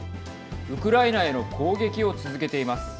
ウクライナへの攻撃を続けています。